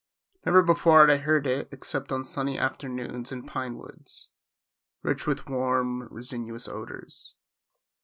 Never before had I heard it except on sunny afternoons in pine woods, rich with warm, resinous odors.